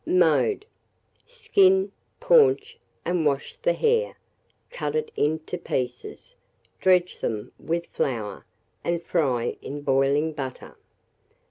Mode. Skin, paunch, and wash the hare, cut it into pieces, dredge them with flour, and fry in boiling butter.